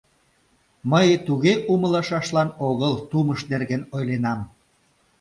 Мый туге умылышашлан огыл «тумыш» нерген ойленам.